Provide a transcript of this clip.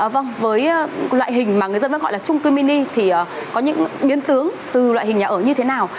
vâng với loại hình mà người dân vẫn gọi là trung cư mini thì có những biến tướng từ loại hình nhà ở như thế nào